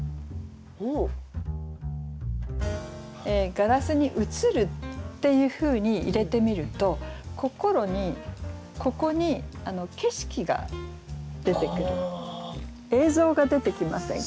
「ガラスに映る」っていうふうに入れてみると「心」にここに映像が出てきませんか？